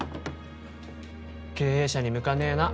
経営者に向かねえな。